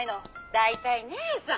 「大体姉さん」